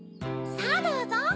さぁどうぞ。